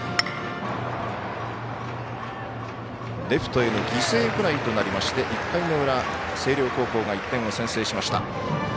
レフトへの犠牲フライとなりまして１回の裏、星稜高校が１点を先制しました。